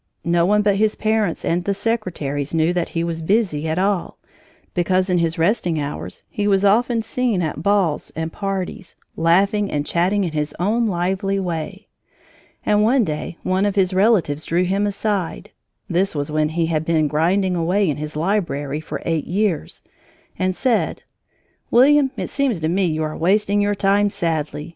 No one but his parents and the secretaries knew that he was busy at all, because in his resting hours he was often seen at balls and parties, laughing and chatting in his own lively way. And one day one of his relatives drew him aside (this was when he had been grinding away in his library for eight years) and said: "William, it seems to me you are wasting your time sadly.